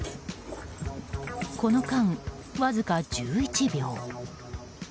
この間、わずか１１秒。